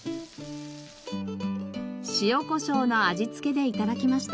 塩こしょうの味付けで頂きました。